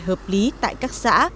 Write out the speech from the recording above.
hợp lý tại các xã